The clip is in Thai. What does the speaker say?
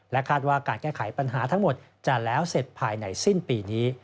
คาดว่าการแก้ไขปัญหาทั้งหมดจะแล้วเสร็จภายในสิ้นปีนี้